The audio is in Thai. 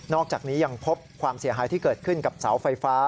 อกจากนี้ยังพบความเสียหายที่เกิดขึ้นกับเสาไฟฟ้า